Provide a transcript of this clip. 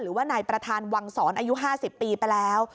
หรือว่านายประธานวังศรอายุ๕๐ปีไปแล้ว